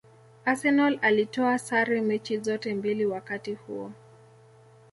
Arsenal alitoa sare mechi zote mbili wakati huo